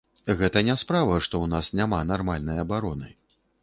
Гэта не справа, што ў нас няма нармальнай абароны.